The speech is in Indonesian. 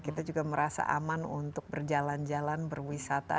kita juga merasa aman untuk berjalan jalan berwisata